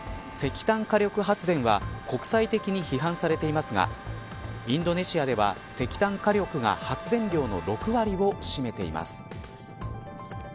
石炭火力発電は国際的に批判されていますがインドネシアでは、石炭火力が発電量の６割を占めています。